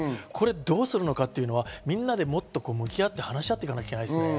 どうするのか、みんなでもっと向き合って話し合っていかなきゃいけないですね。